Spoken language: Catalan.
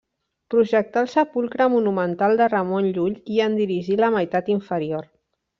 Projectà el sepulcre monumental de Ramon Llull i en dirigí la meitat inferior.